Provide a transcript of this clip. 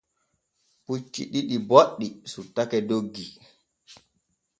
Pucci ɗiɗi boɗɗi sottake doggi.